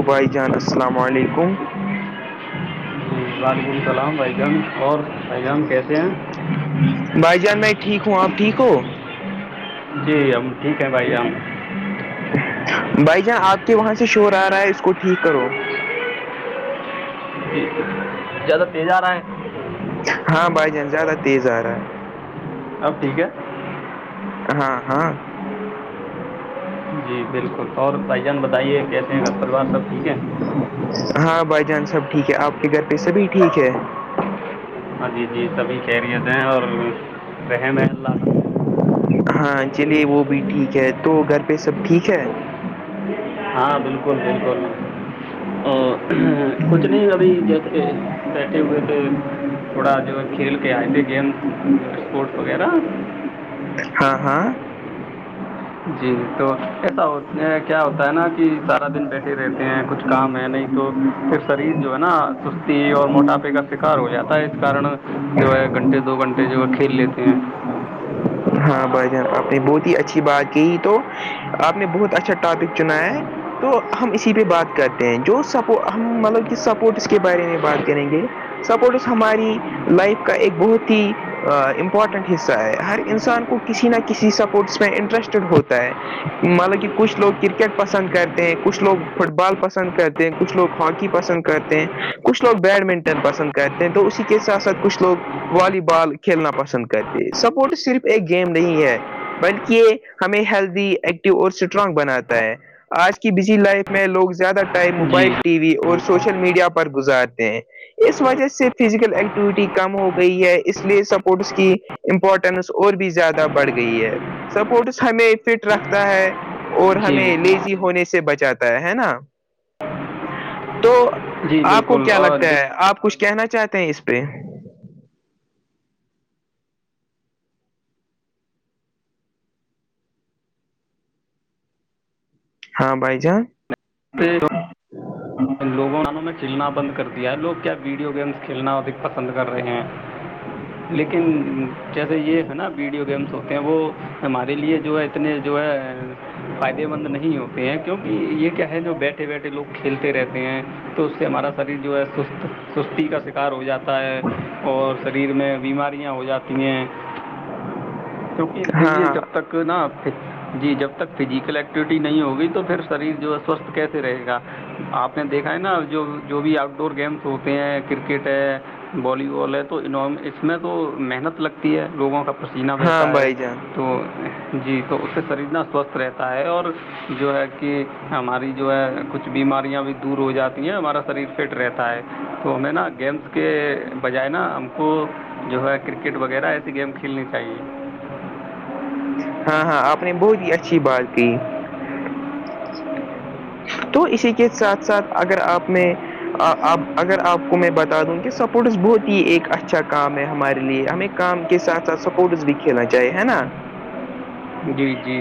ابائی جان السلام علیکم رجب السلام بھائی جان اور بھائی جان کیسے ہیں بھائی جان میں ٹھیک ہوں آپ ٹھیک ہو جی اب [unintelligible] بھائی جان آپ کے وہاں سے شور آ رہا ہے اس کو ٹھیک کرو زیادہ تیز آ رہا ہے ہاں بھائی جان زیادہ تیز آ رہا ہے اب ٹھیک ہے ہاں ہاں جی بالکل اور بھائی جان بتائیے کیسے ہیں گھر پریوار سب ٹھیک ہے ہاں بھائی جان سب ٹھیک ہے آپ کے گھر پہ سبھی ٹھیک ہے ہاں جی جی سبھی خیریت ہیں اور رحم ہے اللہ کا ہاں چلیے وہ بھی ٹھیک ہے تو گھر پہ سب ٹھیک ہے ہاں بالکل بالکل [unintelligible] تھوڑا جو ہے کھیل کے آئے تھے گیم اسپورٹس وغیرہ ہاں ہاں جی تو ایسا کیا ہوتا ہے نا کہ سارا دن بیٹھے رہتے ہیں کچھ کام ہے نہیں تو پھر شریر جو ہے نا سستی اور موٹاپے کا شکار ہو جاتا ہے اس کارن جو ہے گھنٹے دو گھنٹے جو ہے کھیل لیتے ہیں ہاں بھائی جان آپ نے بہت ہی اچھی بات کہ تو آپ نے بہت اچھا ٹاپک چنایا ہے تو ہم اسی پہ بات کرتے ہیں جو سپ ہم مطلب کہ سپورٹس کے بارے میں بات کریں گے سپورٹس ہماری لائف کا ایک بہت ہی امپورٹنٹ حصہ ہے ہر انسان کو کسی نہ کسی سپورٹس میں انٹرسٹیڈ ہوتا ہے مطلب کہ کچھ لوگ کرکٹ پسند کرتے ہیں کچھ لوگ فٹ بال پسند کرتے ہیں کچھ لوگ ہاکی پسند کرتے ہیں کچھ لوگ بیڈمنٹن پسند کرتے ہیں تو اسی کے ساتھ ساتھ کچھ لوگ والی بال کھیلنا پسند کرتے سپورٹس صرف ایک گیم نہیں ہے بلکہ ہمیں ہیلدی ایکٹو اور اسٹرانگ بناتا ہے آج کی بزی لائف میں لوگ زیادہ ٹائم جی موبائل ٹی وی اور ٹھیک ہے سوشل میڈیا پر گزارتے ہیں اس وجہ سے فزیکل ایکٹیویٹی کم ہو گئی ہے اس لیے سپورٹس کی امپورٹنس اور بھی زیادہ بڑھ گئی ہے سپورٹس ہمیں فٹ رکھتا ہے اور جی ہمیں لیزی ہونے سے بچاتا ہے ہے نا تو جی آپ کو بالکل کیا اور لگتا ہے آپ کچھ کہنا چاہتے ہیں اس پہ ہاں بائی جا ج ان لوگوں نے انوں نے کھیلنا بند کر دیا ہے لوگ کیا ویڈیو گیمز کھیلنا ادک پسند کر رہے ہیں لیکن جیسے یہ ہے نا ویڈیو گیمس ہوتے ہیں وہ ہمارے لیے جو ہے اتنے جو ہے فائدے مند نہیں ہوتے ہیں کیونکہ یہ کیا ہے جو بیٹھے بیٹھے لوگ کھیل رہتے ہیں تو اس سے ہمارا شریر جو ہے سست سستی کا شکار ہو جاتا ہے اور شریر میں بیماریاں ہو جاتی ہیں کیونکہ ہاں دیکھیے ہاں جب تک جی جب تک فزیکل ایکٹیوٹی نہیں ہوگی تو پھر شریر جو ہے سوستھ کیسے رہے گا آپ نے دیکھا ہے نا جو جو بھی آؤٹ ڈور گیمس ہوتے ہیں کرکٹ ہے والی بال ہے تو اس میں تو محنت لگتی ہے لوگوں کا پسینہ ہاں رہتا ہے بھائی جان تو جی تو اس سے شریر نہ سوستھ رہتا ہے اور جو ہے کہ ہماری جو ہے کچھ بیماری بھی دور ہو جاتی ہیں ہمارا شری فٹ رہتا ہے تو ہمیں نا گیمس کے بجائے نا ہم کو جو ہے کرکٹ وغیرہ ایسی گیم کھیلنی چاہیے ہاں ہاں آپ نے بہت ہی اچھی بات کہ تو اسی کے ساتھ ساتھ اگر آپ نے اب اگر آپ کو میں بتا دوں کہ سپورٹس بہت ہی ایک اچھا کام ہے ہمارے لیے ہمیں کام کے ساتھ ساتھ سپورٹس بھی کھیلنا چاہائے ہے نا جی جی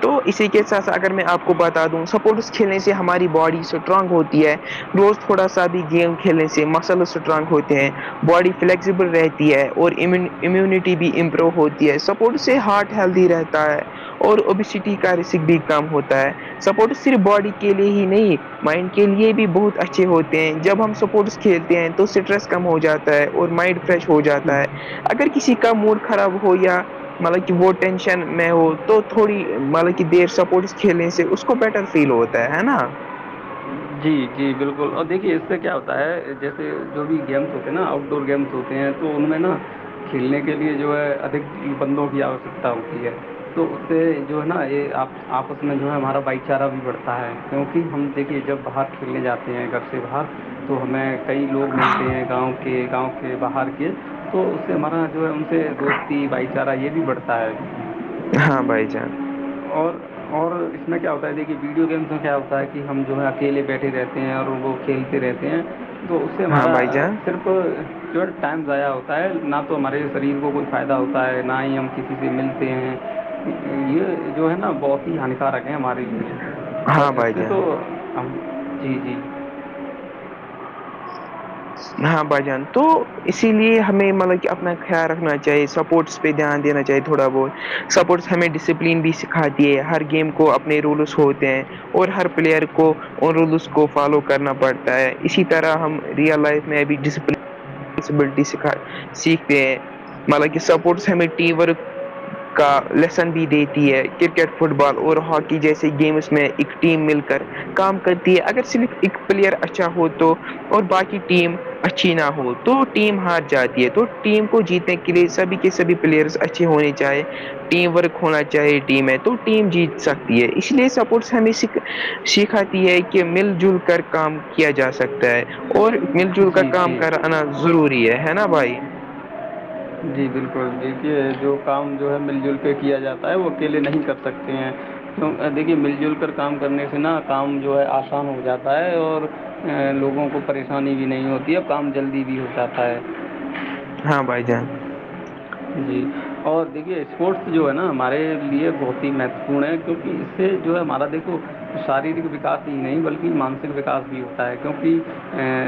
تو اسی کے ساتھ ساتھ اگر میں آپ کو بتا دوں سپورٹس کھیلنے سے ہماری باڈی اسٹرانگ ہوتی ہے روز تھوڑا سا بھی گیم کھیلنے سے مسل اسٹرانگ ہوتے ہیں باڈی فلیکزبل رہتی ہے اور امیون امیونٹی بھی امپروو ہوتی ہے سپورٹ سے ہارٹ ہیلدی رہتا ہے اور اوبسٹی کا رسک بھی کام ہوتا ہے سپورٹ صرف باڈی کے لیے ہی نہیں مائنڈ کے لیے بھی بہت اچھے ہوتے ہیں جب ہم سپورٹس کھیلتے ہیں تو اسٹریس کم ہو جاتا ہے اور مائنڈ فریش ہو جاتا ہے اگر کسی کا موڈ خراب ہو یا مطلب کہ وہ ٹینشن میں ہو تو تھوڑی مطلب کہ دیر سپورٹس کھیلنے سے اس کو بیٹر فیل ہوتا ہے نا جی جی بالکل اور دیکھیے اس سے کیا ہوتا ہے جیسے جو بھی گیمس ہوتے ہیں نا آؤٹ ڈور گیمس ہوتے ہیں تو ان میں نا کھیلنے کے لیے جو ہے ادک بندوں- آوشکتا ہوتی ہے تو اس سے جو ہے نا یہ آپ- آپس میں جو ہے ہمارا بھائی چارہ بھی بڑھتا ہے کیونکہ ہم دیکھیے جب باہر کھیلنے جاتے ہیں گھر سے باہر تو ہمیں کئی لوگ ملتے ہیں گاؤں کے گاؤں کے باہر کے- تو اس سے ہمارا جو ہے ان سے دوستی بھائی چارہ یہ بھی بڑھتا ہے- ہاں بھائی چانس- اور اس میں کیا ہوتا ہے دیکھیے ویڈیو گیم میں کیا ہوتا ہے کہ ہم جو ہے- کے لیے بیٹھے رہتے ہیں اور وہ کھیلتے رہتے ہیں تو اس سے ہاں ہمارا بھائی جان صرف- جو ٹائم ضائع ہوتا ہے نہ تو ہمارے شریر کو کوئی فائدہ ہوتا ہے نہ ہی ہم کسی- ک سے ملتے ہیں یہ جو ہے نا بہت ہی ہانیکارک ہے ہمارے ہاں لیے- بھائی ے جان تو جی-جی ہاں بھجن تو اسی لیے ہمیں مطلب کہ اپنا خیال رکھنا چاہیے سپورٹس- دھیان دینا چاہیے تھوڑا بہت سپورٹس ہمیں ڈسپلن بھی سکھاتی ہے ہر گیم کو اپنا- اپنے رولس ہوتے ہیں- اور ہر پلیئر کو رولس کو فالو کرنا پڑتا ہے اسی طرح ہم- لائف میں بھی ڈسپلن سکھ سیکھتے ہیں مانک سپورٹس ہمیں ٹیم ورک- کا لیسن بھی دیتی ہے کرکٹ فٹ بال اور ہاکی جیسے گیمس میں ایک ٹیم مل کر- کام کرتی ہے اگر صرف ایک پلیئر اچھا ہو تو اور باقی ٹیم- اچھی نہ ہوود- تو ٹیم ہار جاتی ہے تو ٹیم کو جیتنے کے لیے سبھی کے سبھی پلیئرس اچھے ہونے چاہے- ٹیم ورک ہونا چاہیے ٹیم ہے تو ٹیم جیت سکتی ہے اس لیے سپورٹس ہمیں سیکھا- ہے کہ مل جل کر کام کیا جا سکتا ہے اور مل جل کر جی کام جی کرا- ضروری ہے ہے نا بھائی- جی بالکل دیکھیے جو کام جو ہے مل جل کے کیا جاتا- وہ اکیلے نہیں کر سکتے ہیں کی دیکھیے مل جل کر کام کرنے سے نا کام جو ہے آس- آسان ہو جاتا ہے اور لوگوں کو پریشانی بھی نہیں ہوتی ہے اور کام جلدی بھی ہو جاتا ہے- ہاں بائی جان- جی اور دیکھیے اسپورٹس جو ہے نا ہمارے لیے بہت ہی مہتوپورن ہے- کیونکہ اس سے جو ہے ہمارا دیکھو شاریرک وکاس ہی نہیں بلکہ مانسک وکاس بھی ہو- ہے کیونکہ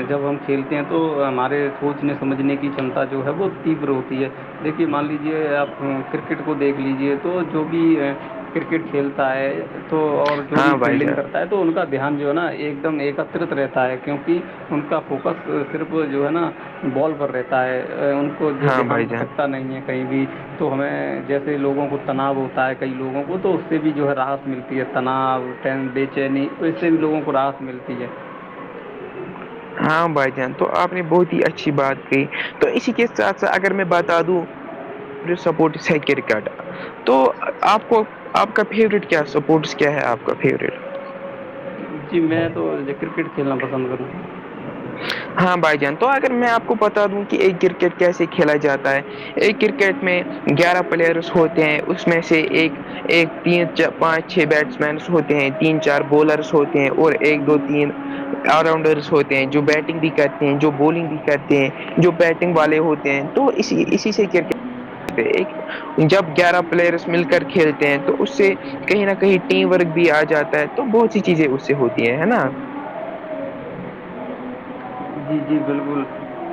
جب ہم کھیلتے ہیں تو ہمارے سوچنے سمجھنے کی چمتا جو ہے وہ- بروتی ہے دیکھیے مان لیجیے آپ کرکٹ کو دیکھ لیجیے تو جو بھی کرکٹ کھیلتا ہے- تو اور جو بھی ہاں بھائی فیلڈنگ جان کر- تو ان کا دھیان جو ہے نا ایک دم ایکتت رہتا ہے کیونکہ ان کا فوکس صرف جو ہے نا- بال پر رہتا ہے ان کو جو ہاں دھیان بھائی جان بھٹک- نہیں ہے کہیں بھی تو ہمیں جیسے لوگوں کو تناؤ ہوتا ہے کئی لوگوں کو تو اس سے بھی جو ہے راحت- ملتی ہے تناؤ ٹین بے چینی اس سے بھی لوگوں کو راحت ملتی ہے- ہاں بھائی جان تو آپ نے بہت ہی اچھی بات کہ تو اسی کے ساتھ ساتھ اگر میں بتا دوں- اور سپورٹ سحکرکاٹا- تو آپ کو آپ کا فیوریٹ کیا سپورٹس کیا ہے آپ کا فیوریٹ? جی میں تو کرکٹ کھیلنا پسند کروں گ- ہاں بھائی جان تو اگر میں آپ کو بتا دوں کہ ایک کرکٹ کیسے کھیلا جاتا ہے ایک کرکٹ- کرکٹ میں گیارہ پلیئرس ہوتے ہیں اس میں سے ایک- ایک تین پانچ چھ بیٹس مینس ہوتے ہیں تین چار بولرس ہوتے ہیں اور ایک دو تین- آل راؤنڈرس ہوتے ہیں جو بیٹنگ بھی کرتے ہیں جو بالنگ بھی کرتے ہیں جو بیٹنگ والے ہوتے ہیں تو اس اسی سے کرکٹ ایک جب گیارہ پلیئرس مل کر کھیلتے ہیں تو اس سے کہیں نہ کہیں ٹیم ورک بھی آ جاتا ہے تو بہت سی چیزیں اس سے ہوتی ہیں ہے نا جی جی بالکل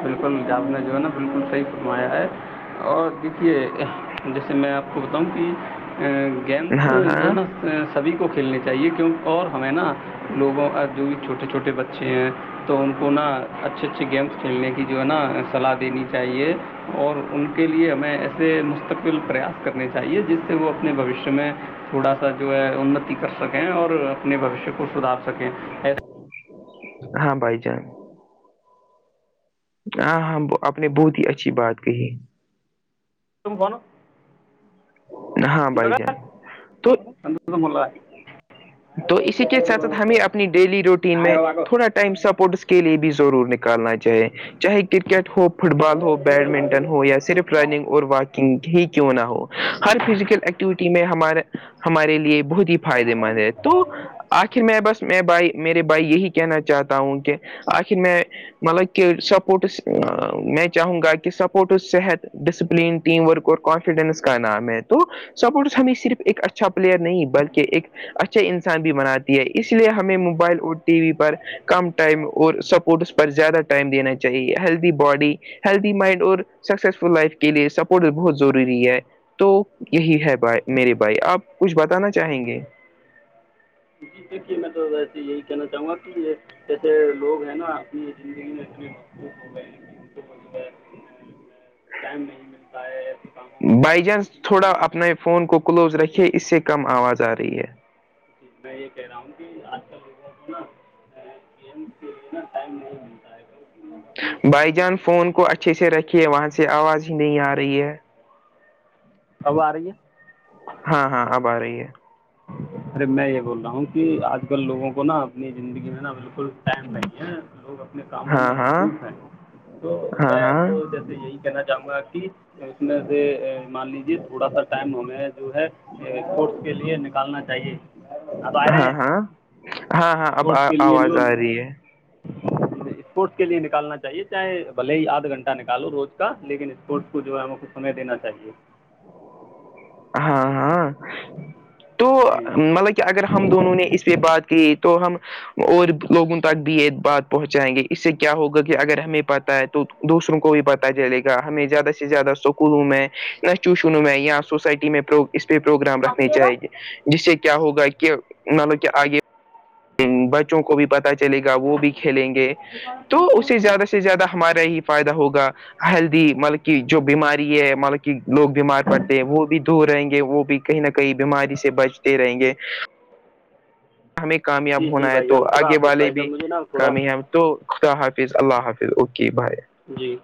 بالکل آپ نے جو ہے نا بالکل صحیح فرمایا ہے اور دیکھیے جیسے میں آپ کو بتاؤں کہ ہاں گیمز ہاں جونا سبھی کو کھیلنے چاہیے کیوں اور ہمیں نا لوگوں اور جو بھی چھوٹے چھوٹے بچے ہیں تو ان کو نا اچھے اچھے گیمز کھیلنے جو ہے نا صلاح دینی چاہیے اور ان کے لیے ہمیں ایسے مستقبل پریاس کرنی چاہیے جس سے وہ اپنے بھوشیہ میں تھوڑا سا جو ہے اننتی کر سکیں اور اپنے بھوشیہ کو سدھار سکیں ایسا ہاں بھائی جان ہاں ہاں آپ نے بہت ہی اچھی بات کہی تم کون ہو ہاں بھائی جان تو سندوشم ال ہے [inaudible] تو اسی کے ساتھ ساتھ ہمیں اپنی ڈیلی روٹین میں تھوڑا ٹائم سپورٹس کے لیے بھی ضرور نکالنا چاہے چاہے کرکٹ ہوپ فٹ بال ہو بیڈمنٹن ہو یا صرف رننگ اور واکنگ ہی کیوں نہ ہو ہر فزیکل ایکٹیویٹی میں ہمارے ہمارے لیے بہت ہی فائدے مند ہے تو آخر میں بس میں بھائی میرے بھائی یہی کہنا چاہتا ہوں کہ آخر میں مطلب کہہ سپورٹس میں چاہو گا کہ صحت ڈسپلین ٹیم ورک اور کانفیڈنس کا نام ہے تو سپورٹس ہمیں صرف ایک اچھا پلیئر نہیں بلکہ ایک اچھا اچھے انسان بھی بناتی ہے اس لیے ہمیں موبائل اور ٹی وی پر کم ٹائم اور سب اس پر زیادہ ٹائم دینا چاہیے ہیلدی باڈی ہیلدی مائنڈ اور سکسیسفل لائف کے لیے سپورٹ بہت ضروری ہے تو یہی ہے بھائی میرے بھائی آپ کچھ بتانا چاہیں گے دیکھیے میں تو ویسے یہی کہنا چاہوں گا کہ یہ جیسے لوگ ہیں نا اپنی زندگی میں اپنے ہو گئے ہیں م ٹائم نہیں ملتا بھائی جان تھوڑا اپنا فون کو کلوز رکھے اسے کم آواز آ رہی ہے میں یہ کہہ رہا ہوں کہ آج کل لوگوں کو نا ٹم نہیں ملتا ہے بائی جان فون کو اچھے سے رکھی وہاں سے آواز ہی نہیں آ رہی ہے ہوا آ رہی ہے ہاں ہاں اب آ رہی ہے ارے میں یہ بول رہا ہوں کہ آج کل لوگوں کو نا اپنی زندگی میں نا بالکل ٹائم نہیں ہے لوگ اپنے کاموں ہاں میں ہاں مصروف ہیں تو ہاں میں ہاں تو جیسے یہی کہنا چاہوں گا کہ اس میں سے مان لیجیے تھوڑا سا ٹائم ہمیں جو ہے اسپورٹس کے لیے نکالنا چاہیے ہاں ہاں ہاں ہاں اب آواز آ رہی ہے [unintelligible] اسپورٹس کے لیے نکالنا چاہیے چاہے بل ہی آدھ گھنٹہ نکالو روز کا لیکن اسپورٹس کو جو ہے ہم خ ہمہیں دینا چاہیے- ہاں-ہاں تو مل کہ اگر ہم دونوں نے اس پہ بات کی تو ہم- اور لوگوں تک بھی یہ بات پہنچائیں گے اس سے کیا ہوگا کہ اگر ہمیں پتہ ہے تو- دوسروں کو بھی پتا چلے گا ہمیں زیادہ سے زیادہ اسکولوں میں یا ٹیوشنوں میں یا سوسائٹی- میں اس پہ پروگرام رکھنے چاہیے- جس سے کیا ہوگا کہ مطلب کہ آگے بچوں کو بھی پتا- چلے گا وہ بھی کھیلیں گے تو اسے زیادہ سے زیادہ ہمارا ہی فائدہ ہوگا- ہیلدی مطلب کی جو بیماری ہے مطلب کہ لوگ بیمار پڑتے ہیں وہ بھی- دور رہیں گے وہ بھی کہیں نہ کہیں بیماری سے بچتے رہیں گے- ہمیں کامیاب ہونا ہے تو آگے والے بھی کامیاب- تو خدا حافظ اللہ حافظ اوکے بھائے- جی-